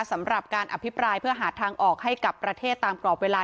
สำหรับการอภิปรายเพื่อหาทางออกให้กับประเทศตามกรอบเวลา